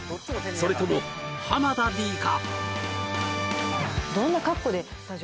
それとも田Ｄか？